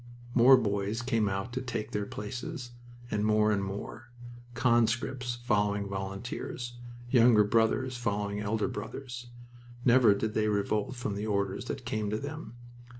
More boys came out to take their places, and more, and more, conscripts following volunteers, younger brothers following elder brothers. Never did they revolt from the orders that came to them.